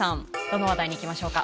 どの話題に行きましょうか？